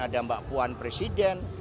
ada mbak puan presiden